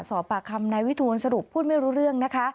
สอบปากคำนายวิทูลสรุปพูดไม่รู้เรื่องนะคะ